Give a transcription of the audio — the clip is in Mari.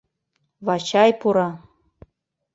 Вачай пура.